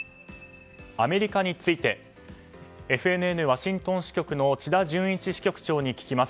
アメリカについてＦＮＮワシントン支局の千田淳一支局長に聞きます。